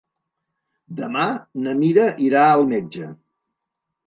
Demà na Mira irà al metge.